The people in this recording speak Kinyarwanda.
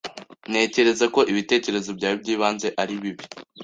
Ntekereza ko ibitekerezo byawe byibanze ari bibi.